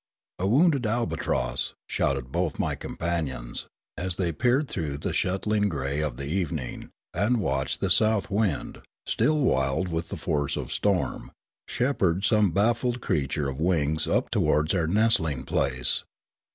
" A wounded albatross," shouted both my companions, as they peered through the shuttling grey of the evening, and watched the south wind, still wild with the force of storm, shepherd some baffled creature of wings up towards our nestlingrplace.